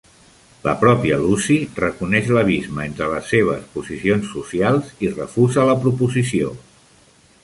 La pròpia Lucy reconeix l'abisme entre les seves posicions socials i refusa la proposició.